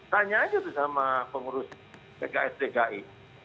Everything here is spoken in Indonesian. tanya aja tuh sama pengurus pks dki